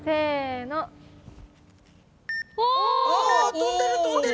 飛んでる飛んでる！